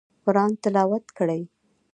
قرآن تلاوت کړئ